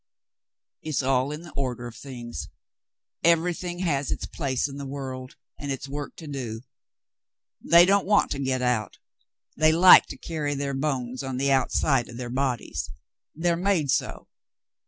It's all in the order of things. Everything has its a ' Back to the Mountains ^51 place in the world and its work to do. They don't want to get out. They like to carry their bones on the out side of their bodies. They're made so.